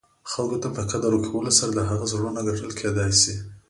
خلګو ته په قدر ورکولو سره، د هغه زړونه ګټل کېداى سي.